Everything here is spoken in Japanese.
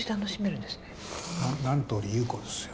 「何通り裕子」ですよ。